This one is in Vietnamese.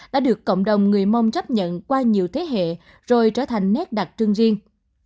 đã được cộng đồng người mông chấp nhận qua nhiều thế hệ rồi trở thành nét đặc trưng riêng